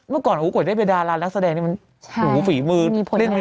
เมื่อก่อนหูก่อยได้ไปดารารักแสดงนี่มันใช่หูฝีมือมีผลงาน